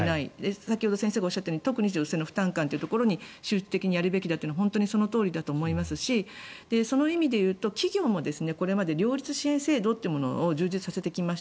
先ほど先生がおっしゃったように女性の負担軽減を集中的にやらなければいけないのは本当にそのとおりだと思いますしその意味でいうと企業もこれまで両立支援制度を充実させてきました。